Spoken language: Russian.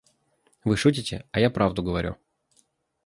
Вы шутите, а я правду говорю.